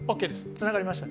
つながりました。